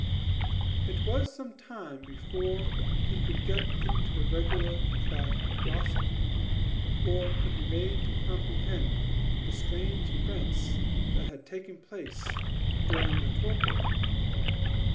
It was some time before he could get into the regular track of gossip, or could be made to comprehend the strange events that had taken place during his torpor.